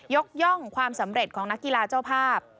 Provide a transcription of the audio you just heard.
ย่องความสำเร็จของนักกีฬาเจ้าภาพ